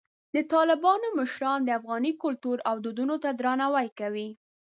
د طالبانو مشران د افغاني کلتور او دودونو ته درناوی کوي.